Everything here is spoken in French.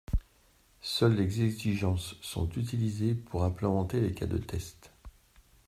Seuls les exigences sont utilisées pour implémenter les cas de test.